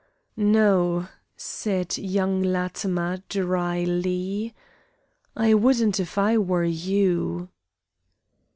"No," said young Latimer, dryly; "I wouldn't if I were you."